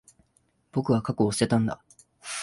僕は、過去を捨てたんだ。